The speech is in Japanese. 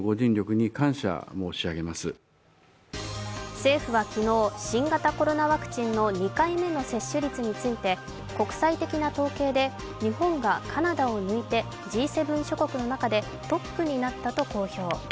政府は昨日、新型コロナワクチンの２回目の接種率について２回目の接種率について国際的な統計で日本がカナダを抜いてＧ７諸国の中でトップになったと公表。